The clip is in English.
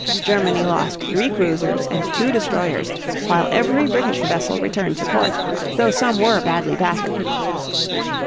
Germany lost three cruisers and two destroyers, while every British vessel returned to port, though some were badly battered.